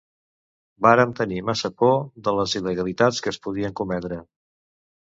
Vàrem tenir massa por de les il·legalitats que es podien cometre.